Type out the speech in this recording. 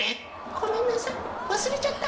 ・ごめんなさいわすれちゃった。